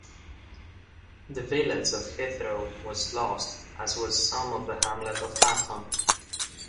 The village of Heathrow was lost, as was some of the hamlet of Hatton.